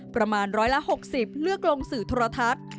ประมาณร้อยละ๖๐เลือกลงสื่อโทรทัศน์